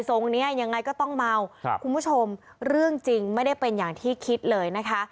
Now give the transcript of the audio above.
เนี้ยยังไงก็ต้องเมาครับคุณผู้ชมเรื่องจริงไม่ได้เป็นอย่างที่คิดเลยนะคะ